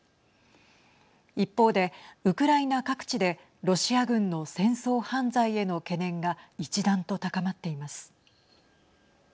一方で、ウクライナ各地でロシア軍の戦争犯罪への懸念が一段と高まっています。